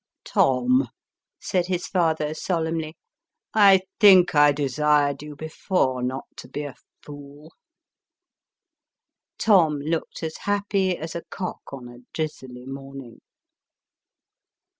" Tom !" said his father solemnly, " I think I desired you, before, not to be a fool." Tom looked as happy as a cock on a drizzly morning.